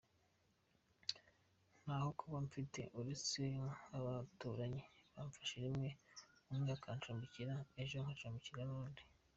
Ntaho kuba mfite uretse nk’abaturanyi bamfasha rimwe umwe akancumbikira ejo ngacumbikirwa n’undi.